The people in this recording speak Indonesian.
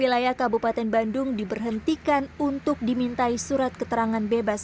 wilayah kabupaten bandung diberhentikan untuk dimintai surat keterangan bebas